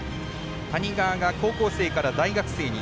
谷川が高校生から大学生に。